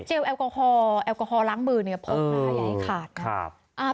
เจลแอลกอฮอล์แอลกอฮอล์ล้างมือเนี่ยพบนะใหญ่ขาดนะ